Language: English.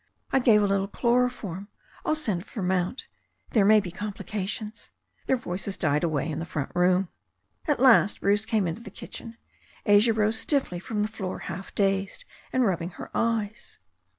I gave a little chloroform. I'll send for Mount. There may be complications '* Their voices died away in the front room. At last Bruce came into the kitchen. Asia rose stiffly from the floor half dazed and rubbing her eyes.